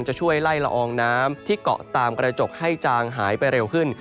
จะช่วยไล่ละอองน้ำที่เกาะตามกระจกให้จางหายไปเร็วขึ้น